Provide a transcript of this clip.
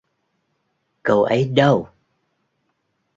Cậu ấy đâu